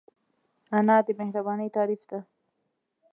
انا د مهربانۍ تعریف ده